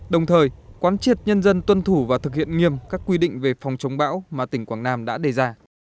đồng thời quán triệt nhân dân tuân thủ và thực hiện nghiêm các quy định về phòng chống bão mà tỉnh quảng nam đã đề ra